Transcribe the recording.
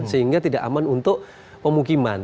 sehingga tidak aman untuk pemukiman